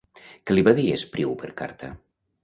Què li va dir Espriu per carta?